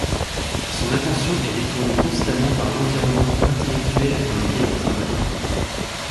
Son attention est détournée constamment par l'environnement intellectuel dans lequel il travaille.